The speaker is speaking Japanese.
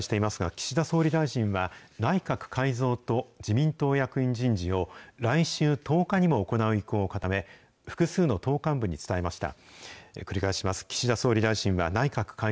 岸田総理大臣は内閣改造と自民党役員人事を、来週１０日にも行う意向を固め、複数の党幹部に伝えました。